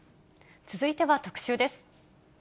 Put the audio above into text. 続いては特集です。